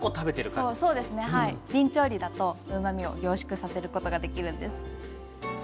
びん調理だとうまみを凝縮させることができるんです。